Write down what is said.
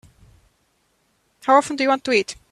How often do you want to eat?